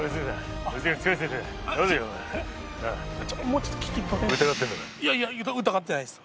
おういやいや疑ってないです